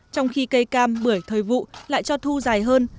trong khi cây cam bưởi thời vụ lại cho thu dài hơn